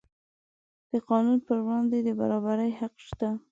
د قانون پر وړاندې د برابرۍ حق شته.